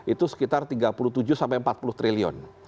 itu sekitar tiga puluh tujuh sampai empat puluh triliun